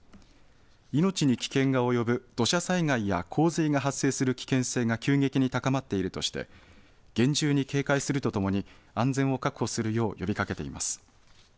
命に危険が及ぶ土砂災害や洪水が発生する危険性が急激に高まっているとして厳重に警戒するとともに安全を確保するよう呼びかけています。